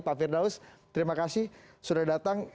pak firdaus terima kasih sudah datang